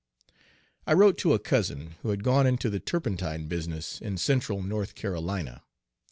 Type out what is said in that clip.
I wrote to a cousin who had gone into the turpentine business in central North Carolina.